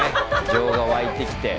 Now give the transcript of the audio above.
情が湧いてきて。